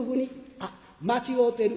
あっ間違うてる。